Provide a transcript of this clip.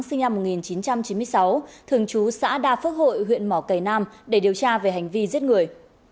sinh năm một nghìn chín trăm chín mươi sáu thường trú xã đa phước hội huyện mỏ cầy nam để điều tra về hành vi giết người